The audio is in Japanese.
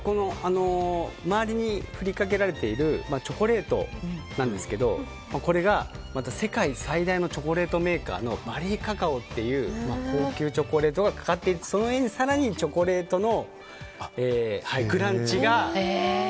周りに振りかけられているチョコレートなんですがこれが世界最大のチョコレートメーカーのバリーカカオという高級チョコレートがかかっていてその上に更にチョコレートのクランチが。